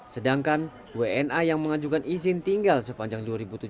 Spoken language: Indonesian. sedangkan wna yang mengajukan izin tinggal sepanjang dua ribu tujuh belas